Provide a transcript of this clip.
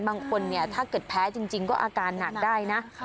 บางคนเนี่ยถ้าเกิดแพ้จริงก็อาการหนักได้นะ